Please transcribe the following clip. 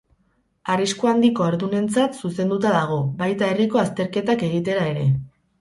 Arrisku handiko haurdunentzat zuzenduta dago, baita herriko azterketak egitera ere.